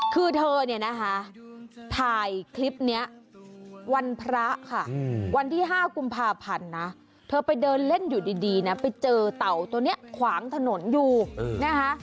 คือเธอเนี่ยนะคะถ่ายคลิปนี้วันพระค่ะวันที่๕กุมภาพันธ์นะเธอไปเดินเล่นอยู่ดีนะไปเจอเต่าตัวนี้ขวางถนนอยู่นะคะ